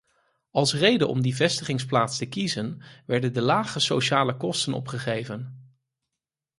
Als reden om die vestigingsplaats te kiezen werden de lage sociale kosten opgegeven.